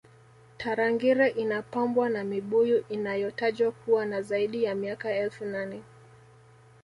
tarangire inapambwa na mibuyu inayotajwa kuwa na zaidi ya miaka elfu nane